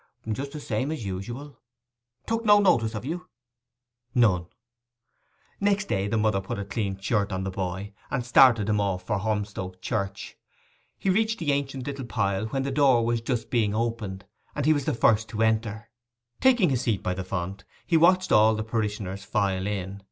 'Just the same as usual.' 'Took no notice of you?' 'None.' Next day the mother put a clean shirt on the boy, and started him off for Holmstoke church. He reached the ancient little pile when the door was just being opened, and he was the first to enter. Taking his seat by the font, he watched all the parishioners file in.